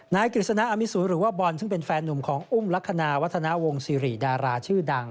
กฤษณะอมิสุหรือว่าบอลซึ่งเป็นแฟนหนุ่มของอุ้มลักษณะวัฒนาวงศิริดาราชื่อดัง